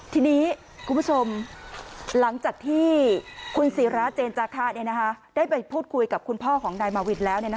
ทีนี้คุณผู้ชมหลังจากที่คุณศิราเจนจาคะได้ไปพูดคุยกับคุณพ่อของนายมาวินแล้ว